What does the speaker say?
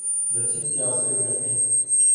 دەچین پیاسەیەک دەکەین.